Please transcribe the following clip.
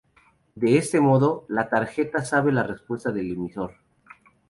De este modo, la tarjeta sabe la respuesta del emisor.